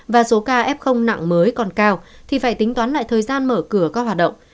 và số ca f nặng mới còn cao thì phải tính toán lại thời gian mở cửa các hoạt động